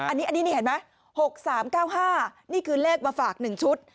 อันนี้นี่เห็นไหม๖๓๙๕นี่คือเลขมาฝาก๑ชุด